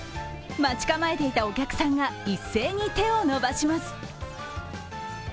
待ち構えていたお客さんが一斉に手を伸ばします。